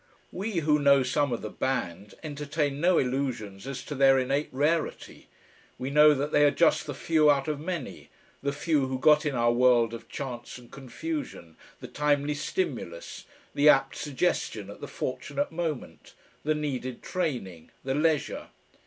We who know some of the band entertain no illusions as to their innate rarity. We know that they are just the few out of many, the few who got in our world of chance and confusion, the timely stimulus, the apt suggestion at the fortunate moment, the needed training, the leisure.